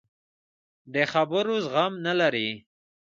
د خبرو زغم نه لري.